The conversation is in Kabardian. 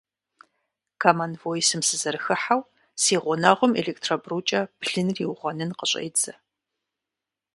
Комон Войсым сызэрыхыхьэу, си гъунэгъум электробрукӏэ блыныр иугъуэнын къыщӏедзэ!